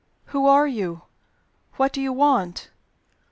"Who are you? What do you want?"